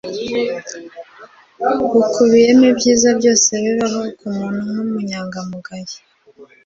bukubiyemo ibyiza byose bibaho ku muntu nk'ubunyangamugayo